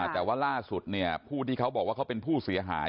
แต่ว่าล่าสุดผู้ที่เขาบอกว่าเขาเป็นผู้เสียหาย